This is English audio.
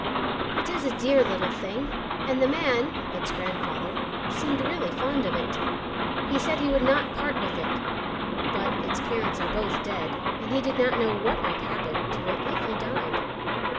"It is a dear little thing, and the man (its grandfather) seemed really fond of it. He said he would not part with it; but its parents are both dead, and he did not know what might happen to it if he died."